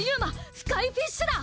スカイフィッシュだ。